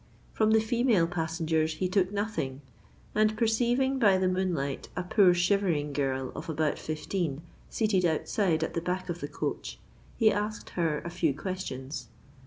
From the female passengers he took nothing; and, perceiving by the moonlight a poor shivering girl of about fifteen seated outside at the back of the coach, he asked her a few questions.